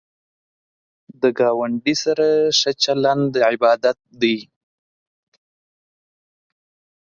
ګاونډی سره ښه چلند عبادت دی